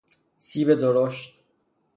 سیب درشت